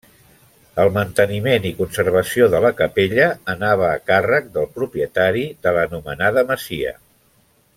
El manteniment i conservació de la capella anava a càrrec del propietari de l'anomenada masia.